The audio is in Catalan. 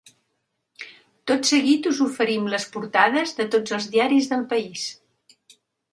Tot seguit us oferim les porta des de tots els diaris del país.